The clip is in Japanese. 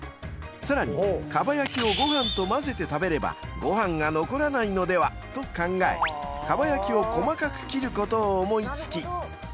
［さらにかば焼きをご飯とまぜて食べればご飯が残らないのではと考えかば焼きを細かく切ることを思い付き］